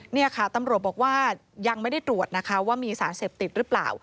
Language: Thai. นี่ค่ะตำรวจบอกว่ายังไม่ได้ตรวจนะคะว่ามีสารเสพติดหรือเปล่า